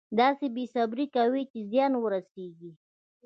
داسې بې صبري کوي چې زیان ورسېږي.